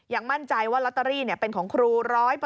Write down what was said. มั่นใจว่าลอตเตอรี่เป็นของครู๑๐๐